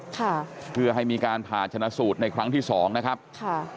ค่ะเพื่อให้มีการผ่าชนะสูตรในครั้งที่สองนะครับค่ะ